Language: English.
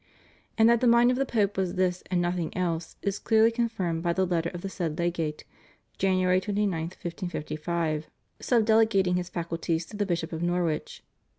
And that the mind of the Pope was this and nothing else is clearly confirmed by the Letter of the said Legate (Janu ary 29, 1555) subdelegating his faculties to the Bishop of Norwich.